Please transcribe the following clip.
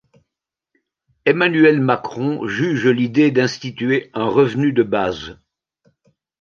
Emmanuel Macron juge l'idée d'instituer un revenu de base.